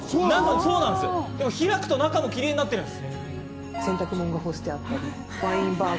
でも開くと中も切り絵になっているんです。